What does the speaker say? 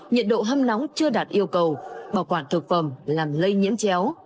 nhiệt độ hâm nóng chưa đạt yêu cầu bảo quản thực phẩm làm lây nhiễm chéo